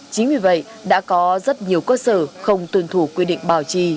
chính vì vậy đã có rất nhiều cơ sở không tuân thủ quy định bảo trì